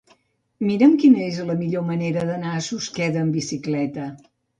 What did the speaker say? Mira'm quina és la millor manera d'anar a Susqueda amb bicicleta.